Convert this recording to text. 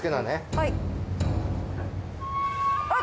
はい。